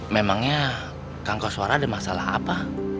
memangnya kanker suara ada masalah apa